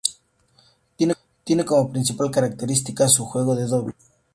Tiene como principal característica su juego de dobles.